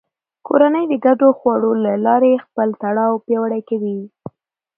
کورنۍ د ګډو خواړو له لارې خپل تړاو پیاوړی کوي